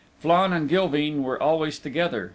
Flann and Gilveen were always together.